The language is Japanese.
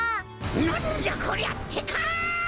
なんじゃこりゃってか！